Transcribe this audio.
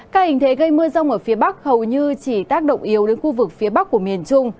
các hình thế gây mưa rông ở phía bắc hầu như chỉ tác động yếu đến khu vực phía bắc của miền trung